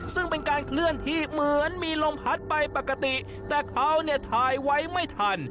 ซึ่งเป็นการเคลื่อนที่เหมือนมีลมพัดไปปกติแต่เขาเนี่ยถ่ายไว้ไม่ทัน